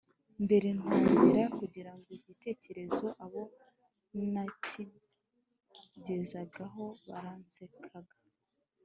Mbere ntangira kugira igitekerezo abo nakigezagaho baransekaga